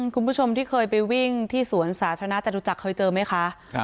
คุณผู้ชมที่เคยไปวิ่งที่สวนสาธารณะจตุจักรเคยเจอไหมคะ